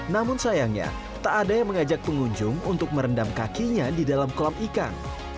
namun sayangnya tak ada yang mengajak pengunjung untuk merendam kakinya di dalam kolam ikan